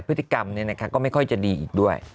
พฤติกรรมก็ไม่ค่อยจะดีอีกด้วย